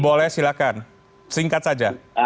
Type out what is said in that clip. boleh silakan singkat saja